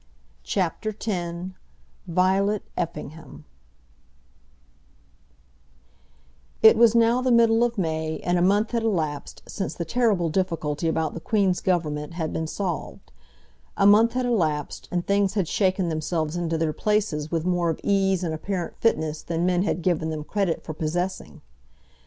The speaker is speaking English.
CHAPTER X Violet Effingham It was now the middle of May, and a month had elapsed since the terrible difficulty about the Queen's Government had been solved. A month had elapsed, and things had shaken themselves into their places with more of ease and apparent fitness than men had given them credit for possessing.